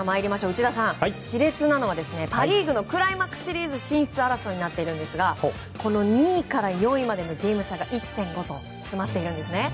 内田さん、熾烈なのはパ・リーグのクライマックスシリーズ進出争いになっているんですが２位から４位までのゲーム差が１．５と詰まっているんですね。